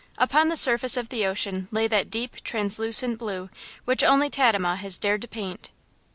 Upon the surface of the ocean lay that deep, translucent blue which only Tadema has dared to paint.